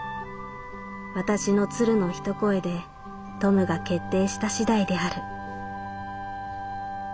私の鶴の一声でトムが決定した次第である」。